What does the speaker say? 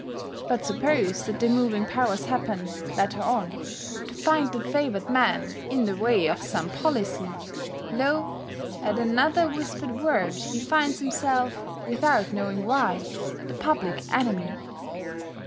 But suppose that the moving powers happen, latter on, to find the favoured man in the way of some policy lo! at another whispered word he finds himself, without knowing why, the public enemy.